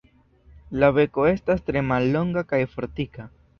La beko estas tre mallonga kaj fortika.